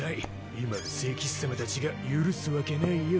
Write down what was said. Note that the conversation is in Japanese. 今の聖騎士様たちが許すわけないよ。